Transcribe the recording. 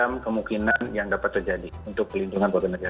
oke sebagai macam kemungkinan yang dapat terjadi untuk pelindungan warga negara kita